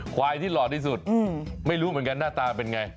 ควายที่หล่อที่สุดไม่รู้เหมือนกันหน้าตาเป็นไง